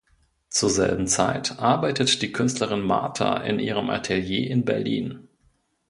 Zur selben Zeit arbeitet die Künstlerin Martha in ihrem Atelier in Berlin.